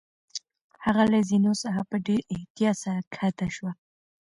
هغه له زینو څخه په ډېر احتیاط سره کښته شوه.